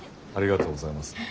ありがとうございます。